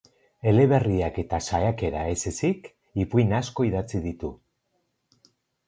Eleberriak eta saiakera ez ezik, ipuin asko idatzi ditu.